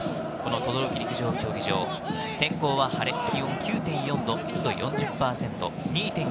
等々力陸上競技場、天候は晴れ、気温９．４度、湿度は４０％。